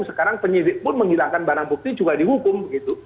sekarang penyidik pun menghilangkan barang bukti juga dihukum gitu